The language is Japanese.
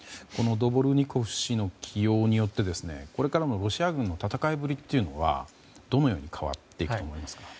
ドボルニコフ氏の起用によってこれからのロシア軍の戦いぶりというのはどのように変わっていくと思いますか？